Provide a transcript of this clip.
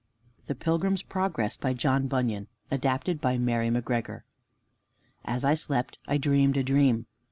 THE PILGRIM'S PROGRESS By JOHN BUNYAN ADAPTED BY MARY MACGREGOR As I slept I dreamed a dream.